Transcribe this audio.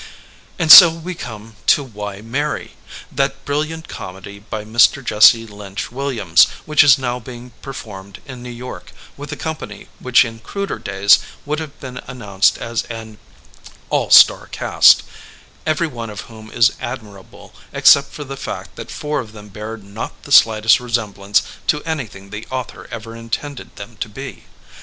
'' And so we come to Why Marry? that brilliant com edy by Mr. Jesse Lynch Williams, which is now being performed in New York with a company which in cruder days would have been announced as an '' all star cast," every one of whom is admirable except for the fact that four of them bear not the slightest resemblance to anything the author ever intended them to be.